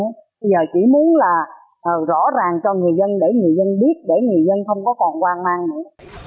bây giờ chỉ muốn là rõ ràng cho người dân để người dân biết để người dân không có còn quang mang nữa